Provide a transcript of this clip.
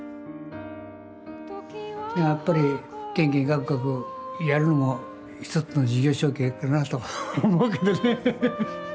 やっぱりけんけんがくがくやるのも一つの事業承継かなと思うけどね。